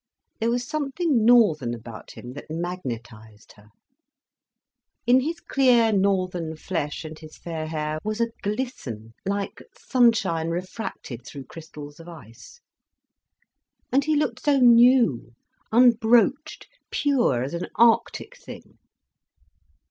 There was something northern about him that magnetised her. In his clear northern flesh and his fair hair was a glisten like sunshine refracted through crystals of ice. And he looked so new, unbroached, pure as an arctic thing.